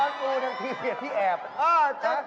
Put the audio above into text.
จ้ะแต่เคยเสียงตรงนี้นะ